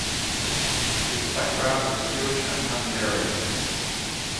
His background was Jewish and Hungarian.